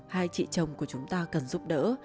hay chị chồng của chúng ta cần giúp đỡ